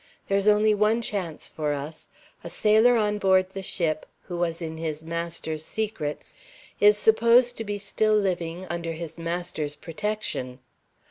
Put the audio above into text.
There is only one chance for us. A sailor on board the ship (who was in his master's secrets) is supposed to be still living (under his master's protection).